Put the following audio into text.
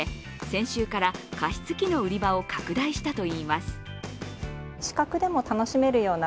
先週から加湿器の売り場を拡大したといいます。